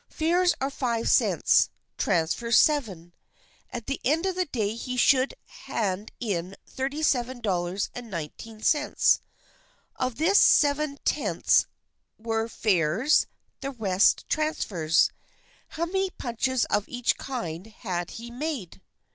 Fares are five cents, transfers seven. At the end of the day he should hand in $37.19. Of this seven tenths were fares, the rest transfers. How many punches of each kind had he made